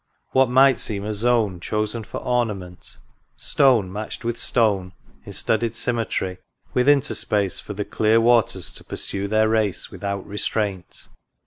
what might seem a zone Chosen for ornament ; stone match'd with stone In studied symmetry, with interspace For the clear waters to pursue their race Without restraint.